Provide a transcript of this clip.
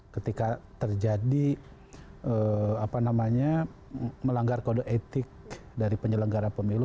ketika terjadi melanggar kode etik dari penyelenggara pemilu